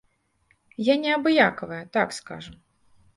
Я неабыякавая, так скажам.